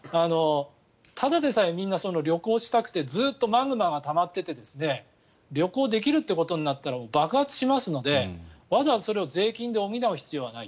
ただでさえ、みんな旅行したくてずっとマグマがたまっていて旅行できるということになったら爆発しますのでわざわざそれを税金で補う必要はない。